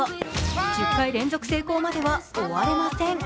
１０回連続成功までは終われません。